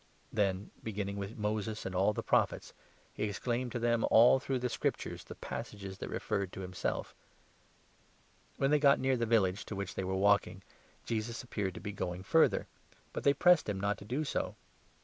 Then, beginning with Moses and all the Prophets, he explained 27 to them all through the Scriptures the passages that referred to himself. When they got near the village to which 28 they were walking, Jesus appeared to be going further ; but 29 they pressed him not to do so.